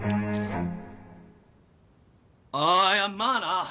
ああいやまあな。